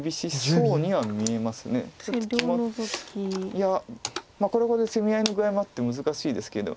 いやこれはこれで攻め合いの具合もあって難しいですけど。